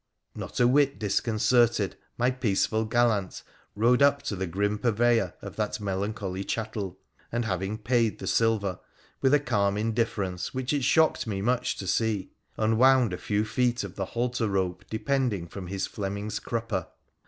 Not a wit disconcerted, my peaceful gallant rode up to the grim purveyor of that melancholy chattel, and having paid the silver, with a calm indifference which it shocked me much to see, unwound a few feet of the halter rope depending from his Fleming's crupper.